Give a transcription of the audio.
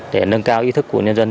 để nâng cao ý thức của nhân dân